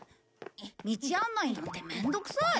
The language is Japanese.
道案内なんてめんどくさい！